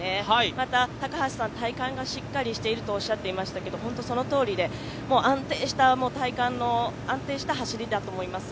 また、高橋さん、体幹がしっかりしているとおっしゃっていましたけど、本当にそのとおりで、安定した体幹の、安定した走りだと思います。